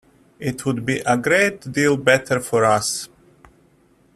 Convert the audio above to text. It would be a great deal better for us.